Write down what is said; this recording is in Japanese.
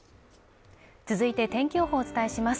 続いて天気予報をお伝えします